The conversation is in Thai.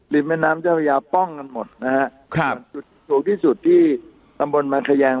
ลิฟม่าน้ำเจ้าพระยาวป้องกันหมดนะฮะครับสูงที่ที่ตำบนบางแขยง